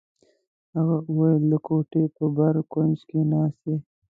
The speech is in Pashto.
هغې وویل: د کوټې په بر کونج کې ناست یې.